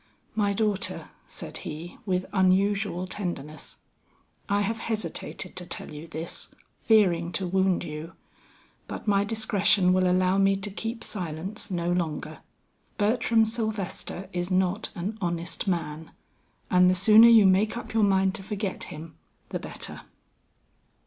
"My daughter," said he, with unusual tenderness, "I have hesitated to tell you this, fearing to wound you; but my discretion will allow me to keep silence no longer. Bertram Sylvester is not an honest man, and the sooner you make up your mind to forget him, the better."